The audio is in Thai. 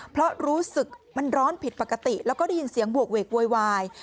เพราะรู้สึกมันร้อนผิดปกติแล้วก็ได้ยินเสียงบวกเวกโวยวาย